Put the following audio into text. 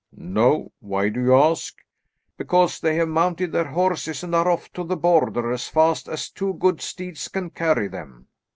"No. Why do you ask?" "Because they have mounted their horses and are off to the Border as fast as two good steeds can carry them."